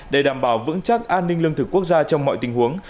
để đảm bảo vững chắc an ninh lương thực quốc gia trong mọi tình huống